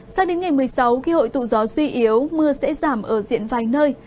sang đến ngày một mươi sáu khi hội tụ gió suy yếu mưa sẽ giảm ở diện vài nơi